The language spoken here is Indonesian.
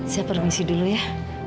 saya permisi dulu ya